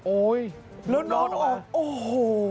โอ๊ยแล้วนอนออกโอ้โห